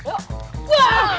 waduh udah cepet lagi